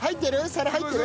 皿入ってる？